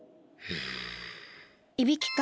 いびきか。